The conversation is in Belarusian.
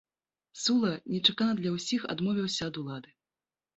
Сула нечакана для ўсіх адмовіўся ад улады.